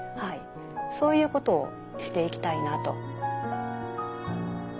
そういうことをしていきたいなと。